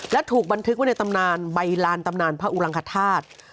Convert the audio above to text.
และถูกบันทึกว่าในใบรานตำนานพระอุรังภัฏธาตุ